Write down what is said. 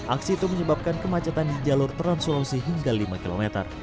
aksi itu menyebabkan kemacetan di jalur trans sulawesi hingga lima km